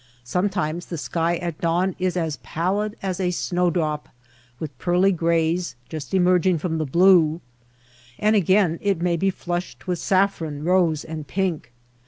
Sometimes the sky at dawn is as pallid as a snow drop with pearly grays just emerging from the blue ; and again it may be flushed with saffron, rose, and pink.